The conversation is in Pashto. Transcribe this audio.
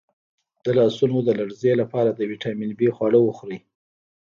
د لاسونو د لرزې لپاره د ویټامین بي خواړه وخورئ